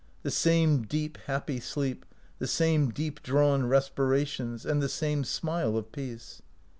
The same deep happy sleep, the same deep drawn respirations, and the same smile of peace.